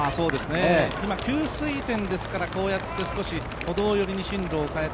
今、給水点ですから、こうやって歩道寄りに進路を変えた。